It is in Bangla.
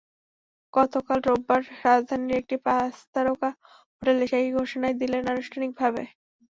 গতকাল রোববার রাজধানীর একটি পাঁচ তারকা হোটেলে সেই ঘোষণাই দিলেন আনুষ্ঠানিকভাবে।